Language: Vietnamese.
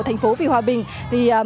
thành phố vì hòa bình